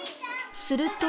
すると。